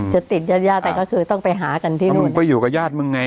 ติดญาติญาติแต่ก็คือต้องไปหากันที่นี่มึงก็อยู่กับญาติมึงไง